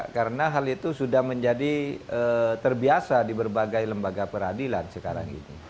karena hal itu sudah menjadi terbiasa di berbagai lembaga peradilan sekarang ini